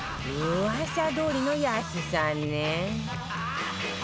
噂どおりの安さね